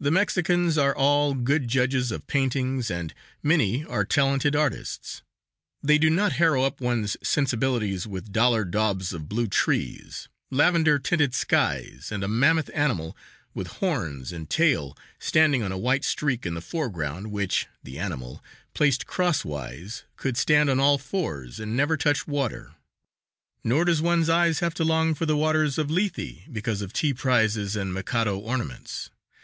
The Mexicans are all good judges of paintings and many are talented artists; they do not harrow up one's sensibilities with dollar daubs of blue trees, lavender tinted skies and a mammoth animal with horns and tail, standing on a white streak in the foreground, which (the animal) placed cross wise, could stand on all fours and never touch water. Nor does one's eyes have to long for the waters of Lethe because of tea prizes and Mikado ornaments.